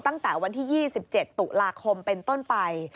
ตั้งแต่วันที่๒๗ตุลาคมเป็นต้นไป